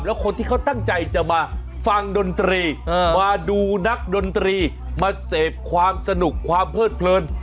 แล้วคนที่เขาตั้งใจจะมาฟังดนตรีมาดูนักดนตรีมาเสพความสนุกความเพิดเพลิน